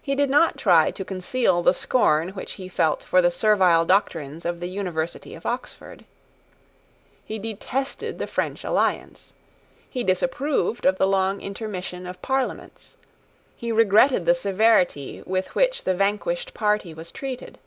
He did not try to conceal the scorn which he felt for the servile doctrines of the University of Oxford. He detested the French alliance. He disapproved of the long intermission of Parliaments. He regretted the severity with which the vanquished party was treated.